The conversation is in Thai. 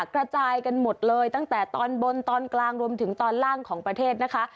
กระจายกันหมดเลยตั้งแต่ตอนบนตอนกลางรวมถึงตอนล่างของประเทศนะคะ